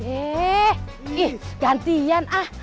eh gantian ah